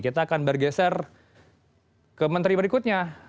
kita akan bergeser ke menteri berikutnya